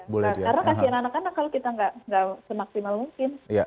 karena kasihan anak anak kalau kita tidak semaksimal mungkin